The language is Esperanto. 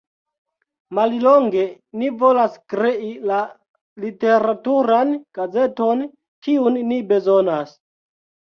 Mallonge: ni volas krei la literaturan gazeton, kiun ni bezonas.